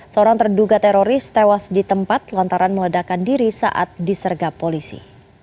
seorang terduga teroris tewas di tempat lantaran meledakan diri saat disergap polisi